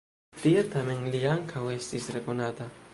Tie, tamen, li ankaŭ estis rekonata.